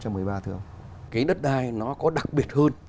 cái đất đai nó có đặc biệt hơn